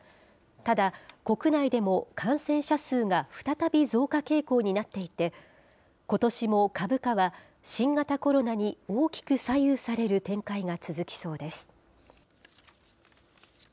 ただ、国内でも感染者数が再び増加傾向になっていて、ことしも株価は新型コロナに大きく左右される展開が続きそうです。